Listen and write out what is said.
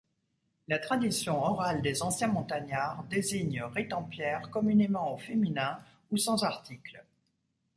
La tradition orale des anciens montagnards désigne Rittempierre communément au féminin ou sans article.